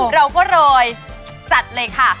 เราก็เลยจัดเลยค่ะ